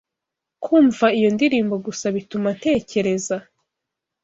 Kumva iyo ndirimbo gusa bituma ntekereza